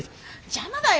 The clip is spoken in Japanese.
邪魔だよ。